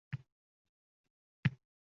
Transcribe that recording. Siz insonsiz - maydalikdan uzoqlashing.